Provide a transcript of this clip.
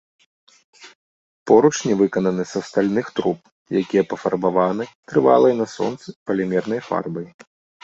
Поручні выкананы са стальных труб, якія пафарбаваны, трывалай на сонцы, палімернай фарбай.